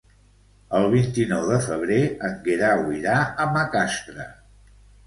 El vint-i-nou de febrer en Guerau irà a Macastre.